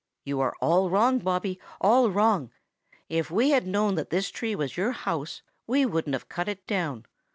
You are all wrong, Bobby, all wrong. If we had known that this tree was your house, we wouldn't have cut it down.